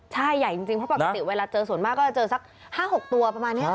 จริงเวลาเจอส่วนมากก็สัก๕๖ตัว